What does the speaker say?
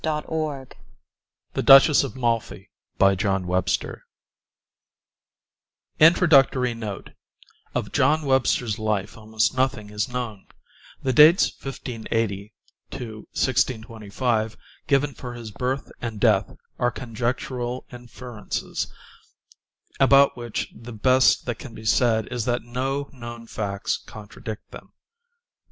Young THE DUCHESS OF MALFI by John Webster INTRODUCTORY NOTE Of John Webster's life almost nothing is known. The dates 1580 1625 given for his birth and death are conjectural inferences, about which the best that can be said is that no known facts contradict them.